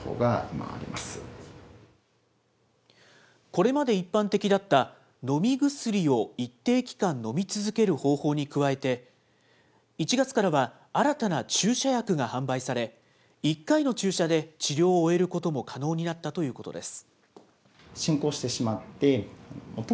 これまで一般的だった飲み薬を一定期間、飲み続ける方法に加えて、１月からは新たな注射薬が販売され、１回の注射で治療を終えることも可能になったということです。